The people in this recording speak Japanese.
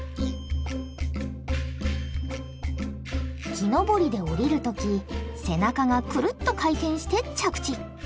木登りで下りる時背中がくるっと回転して着地。